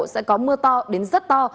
sẽ có mưa to đến rất to